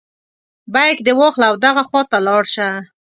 بیک دې واخله او دغه خواته لاړ شه.